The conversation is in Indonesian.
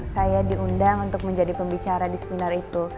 saya diundang untuk menjadi pembicara di seminar itu